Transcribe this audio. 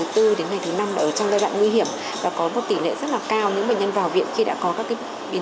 từ tháng một mươi trở lại đây số ca mắc xuất xuất huyết tăng gấp bôi